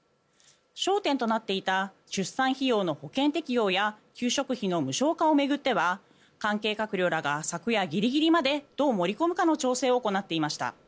焦点となっていた出産費用の保険適用や給食費の無償化を巡っては関係閣僚らが昨夜ギリギリまでどう盛り込むかの調整を行っていました。